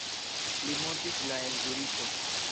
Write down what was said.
Li mortis la en Zuriko.